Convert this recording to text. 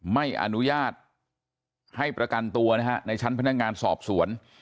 ไม่อนุญาตให้ประกันตัวนะฮะในชั้นพนักงานสอบสวน